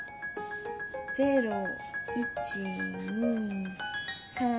０１２３。